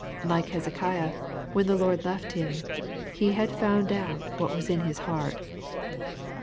Like Hezekiah, when the Lord left him, he had found out what was in his heart.